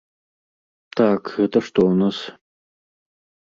Так, гэта што ў нас.